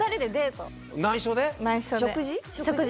食事？